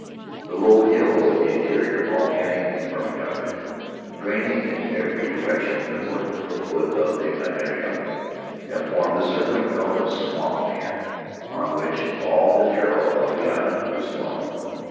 The low hills of the interior, volcanic and fern covered, draining in every direction toward the foot of the makatea, have formed a circling belt of swamp land, on which all the taro of the island was grown.